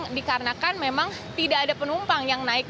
yang dikarenakan memang tidak ada penumpang yang naik